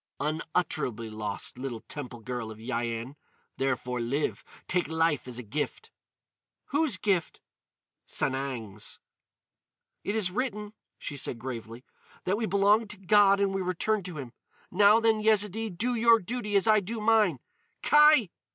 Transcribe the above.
"Unutterably lost, little temple girl of Yian. Therefore, live. Take life as a gift!" "Whose gift?" "Sanang's." "It is written," she said gravely, "that we belong to God and we return to him. Now then, Yezidee, do your duty as I do mine! Kai!"